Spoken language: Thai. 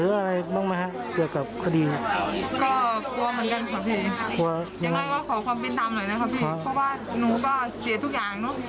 เพราะว่านุ๊ก็เสียทุกอย่างเนอะ